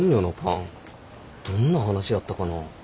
どんな話やったかな。